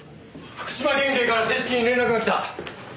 福島県警から正式に連絡が来た。